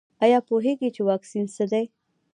ایا پوهیږئ چې واکسین څه دی؟